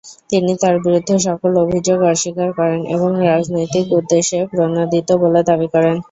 তিনি তার বিরুদ্ধে সকল অভিযোগ অস্বীকার করেন এবং রাজনৈতিক উদ্দেশ্য প্রণোদিত বলে দাবী করেন।